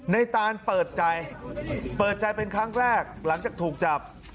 ตานเปิดใจเปิดใจเป็นครั้งแรกหลังจากถูกจับ